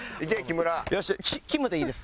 きむでいいです。